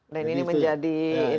dan ini menjadi inilah